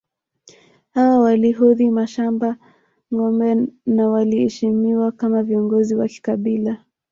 Hawa walihodhi mashamba ngombe na waliheshimiwa kama viongozi wa kikabila